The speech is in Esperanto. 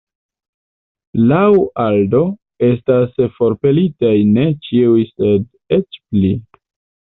Laŭ Aldo estas forpelitaj ne ĉiuj sed eĉ pli.